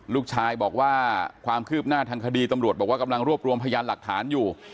ลูกชายบอกว่าความคืบหน้าทางคดีตำรวจบอกว่ากำลังรวบรวมพยานหลักฐานอยู่